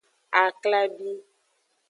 Aklabi.